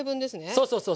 そうそうそう。